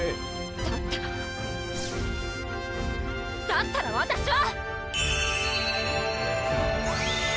だったらだったらわたしは！